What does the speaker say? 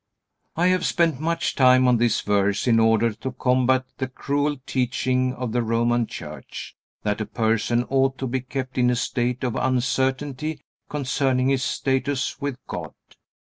I have spent much time on this verse in order to combat the cruel teaching of the Roman church, that a person ought to be kept in a state of uncertainty concerning his status with God.